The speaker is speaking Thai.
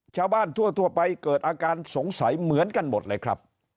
ชาวบ้านทั่วไปเกิดอาการสงสัยเหมือนกันหมดเลยครับ